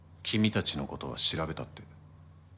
君たちのことは調べたって。